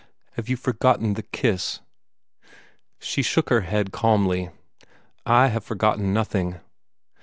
"Have you forgotten the kiss?" She shook her head calmly. "I have forgotten nothing."